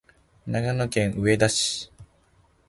長野県上田市